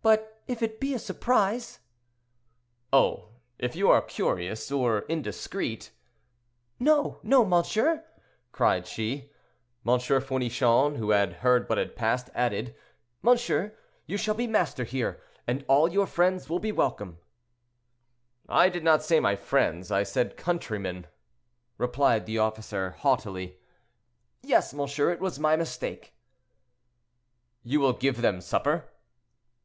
"But if it be a surprise—" "Oh! if you are curious, or indiscreet—" "No, no, monsieur," cried she. M. Fournichon, who had heard what had passed, added, "Monsieur, you shall be master here; and all your friends will be welcome." "I did not say my friends, I said countrymen," replied the officer, haughtily. "Yes, monsieur, it was my mistake." "You will give them supper."